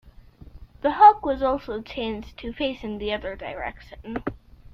The hawk was also changed to face in the other direction.